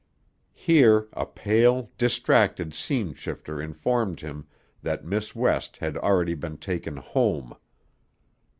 Here a pale, distracted scene shifter informed him that Miss West had already been taken home.